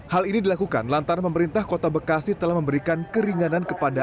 hal ini dilakukan lantaran pemerintah kota bekasi telah memberikan keringanan kepada